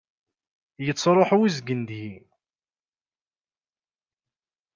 Yettruḥ uzgen deg-i.